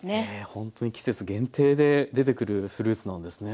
へえほんとに季節限定で出てくるフルーツなんですね。